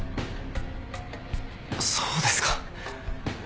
そうですか。